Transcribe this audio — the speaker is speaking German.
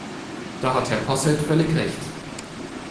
Da hat Herr Posselt völlig recht.